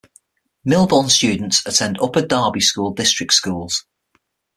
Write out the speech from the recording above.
Millbourne students attend Upper Darby School District schools.